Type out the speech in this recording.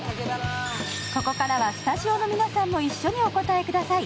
ここからはスタジオの皆さんも一緒にお答えください。